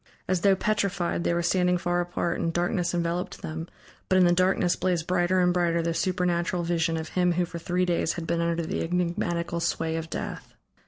As though petrified, they were standing far apart, and darkness enveloped them, but in the darkness blazed brighter and brighter the supernatural vision of him who for three days had been under the enigmatical sway of death.